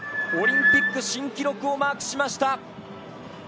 オリンピック新記録をマークしました。